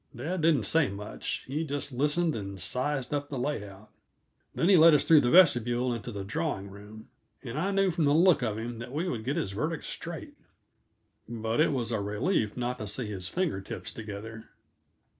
Dad didn't say much; he just listened and sized up the layout. Then he led us through the vestibule into the drawing room. And I knew, from the look of him, that we would get his verdict straight. But it was a relief not to see his finger tips together.